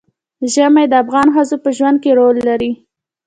ژمی د افغان ښځو په ژوند کې رول لري.